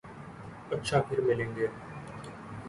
اچھا پھر ملیں گے۔